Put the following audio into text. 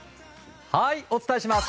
お伝えします。